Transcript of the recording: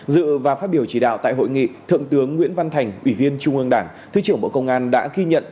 dự và phát biểu chỉ đạo tại hội nghị thượng tướng nguyễn văn thành ủy viên trung ương đảng thứ trưởng bộ công an đã ghi nhận